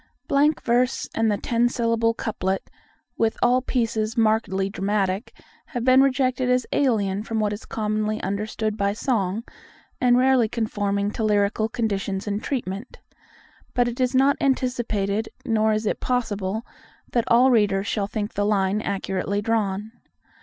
Blank verse and the ten syllable couplet, with all pieces markedly dramatic, have been rejected as alien from what is commonly understood by song, and rarely conforming to lyrical conditions in treatment. But it is not anticipated, nor is it possible, that all readers shall think the line accurately drawn.